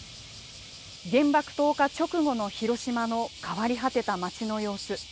原爆投下直後の広島の変わり果てた街の様子